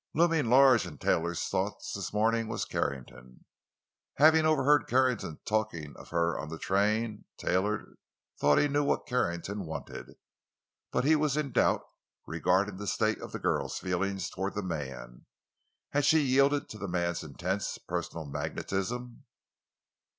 Looming large in Taylor's thoughts this morning was Carrington. Having overheard Carrington talking of her on the train, Taylor thought he knew what Carrington wanted; but he was in doubt regarding the state of the girl's feelings toward the man. Had she yielded to the man's intense personal magnetism?